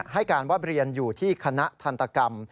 ให้การว่าเรียนอยู่ที่คณะทันตกรรม